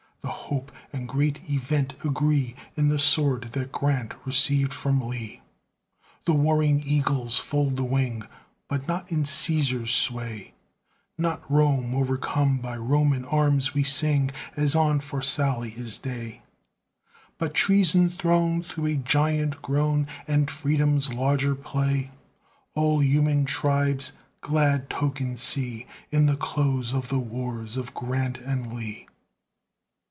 The hope and great event agree In the sword that Grant received from Lee. The warring eagles fold the wing, But not in Cæsar's sway; Not Rome o'ercome by Roman arms we sing, As on Pharsalia's day, But Treason thrown, though a giant grown, And Freedom's larger play. All human tribes glad token see In the close of the wars of Grant and Lee.